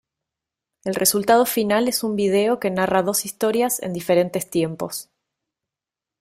El resultado final es un video que narra dos historias en diferentes tiempos.